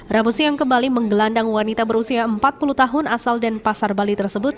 rabu siang kembali menggelandang wanita berusia empat puluh tahun asal denpasar bali tersebut